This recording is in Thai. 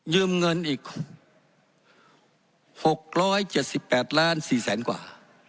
ยืมเงินอีกหกร้อยเจ็ดสิบแปดล้านสี่แสนกว่า